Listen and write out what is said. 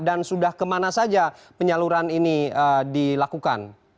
dan sudah kemana saja penyaluran ini dilakukan